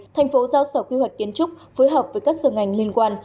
thành phố giao sở quy hoạch kiến trúc phối hợp với các sở ngành liên quan